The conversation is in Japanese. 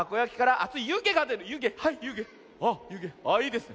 あっいいですね。